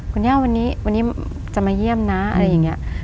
คุณย่าวันนี้วันนี้จะมาเยี่ยมนะอะไรอย่างนี้